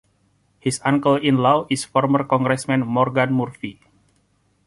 His uncle-in-law is former congressman Morgan Murphy.